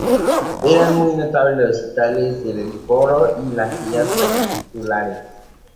Eran muy notables los sitiales de coro y las sillas capitulares.